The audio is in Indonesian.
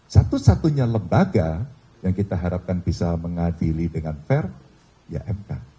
satu satunya lembaga yang kita harapkan bisa mengadili dengan fair ya mk